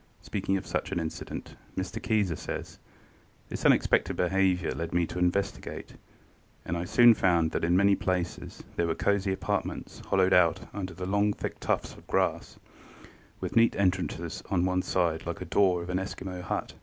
Speaking of such an incident, Mr. Keyser says: "This unexpected behavior led me to investigate, and I soon found that in many places there were cozy apartments hollowed out under the long thick tufts of grass, with neat entrances at one side like the door of an Eskimo hut.